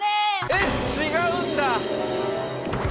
えっ⁉違うんだ。